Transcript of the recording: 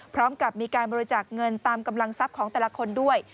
พร้อมกับมีการบริจาคเงินตามกำลังทรัพย์ของแต่ละคนด้วย